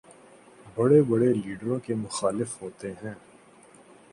بڑے بڑے لیڈروں کے مخالف ہوتے ہیں۔